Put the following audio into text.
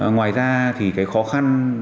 ngoài ra thì cái khó khăn